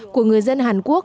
của người dân hàn